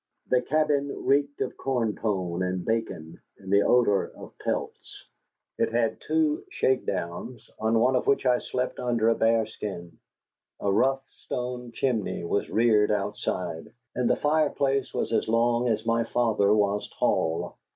The cabin reeked of corn pone and bacon, and the odor of pelts. It had two shakedowns, on one of which I slept under a bearskin. A rough stone chimney was reared outside, and the fireplace was as long as my father was tall.